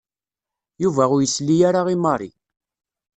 Yuba ur yesli ara i Mary.